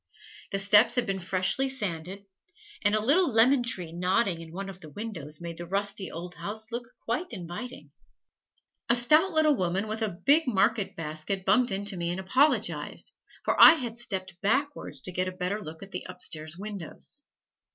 The steps had been freshly sanded, and a little lemon tree nodding in one of the windows made the rusty old house look quite inviting. A stout little woman with a big market basket, bumped into me and apologized, for I had stepped backwards to get a better look at the upstairs windows.